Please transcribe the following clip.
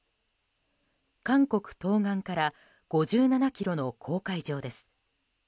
韓国東岸から５７ｋｍの公海上です。